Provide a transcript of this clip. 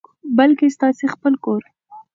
بلکي ستاسو خپل کور،